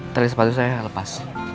tali sepatu saya lepas